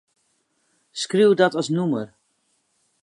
Skriuw dat as nûmer.